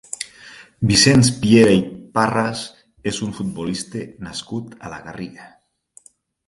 Vicenç Piera i Parras és un futbolista nascut a la Garriga.